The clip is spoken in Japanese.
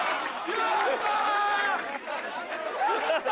やった！